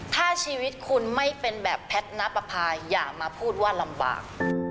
ถ้าชีวิตคุณไม่เป็นแบบแพทย์นับประพาอย่ามาพูดว่าลำบาก